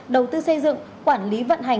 đầu tư xây dựng quản lý vận hành